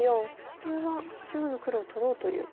これは中央の黒を取ろうという。